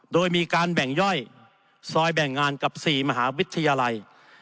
โดยมีการแบ่งย่อยซอยแบ่งงานกับ๔มหาวิทยาลัย